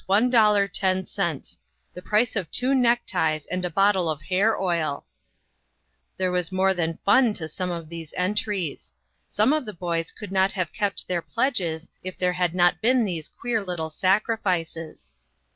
10; the price of two new neckties and a bottle of hair oil !" There was more than fun to some of these entries. Some of the boys could not have kept their pledges if there had not been these queer little sacrifices.